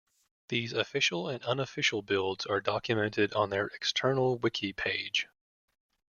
These official and unofficial builds are documented on their external wiki page.